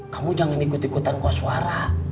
kamu jangan ikut ikutan kok suara